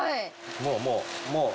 もうもう。